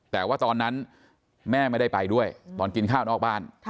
แต่ว่าตอนนั้นแม่ไม่ได้ไปด้วยตอนกินข้าวนอกบ้าน